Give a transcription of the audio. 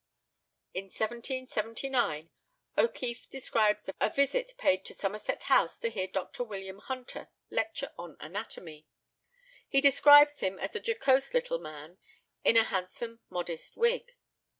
In 1779 O'Keefe describes a visit paid to Somerset House to hear Dr. William Hunter lecture on anatomy. He describes him as a jocose little man, in "a handsome modest" wig.